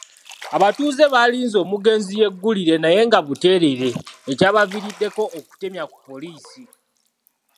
Abatuuze baalinze omugenzi yeggulire naye nga buteerere ekyabaviiriddeko okutemya ku poliisi.